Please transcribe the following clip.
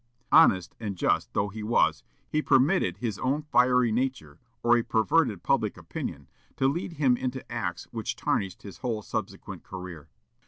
Honest and just though he was, he permitted his own fiery nature, or a perverted public opinion, to lead him into acts which tarnished his whole subsequent career.